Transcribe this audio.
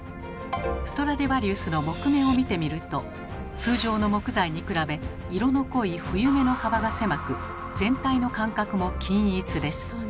ストラディヴァリウスの木目を見てみると通常の木材に比べ色の濃い冬目の幅が狭く全体の間隔も均一です。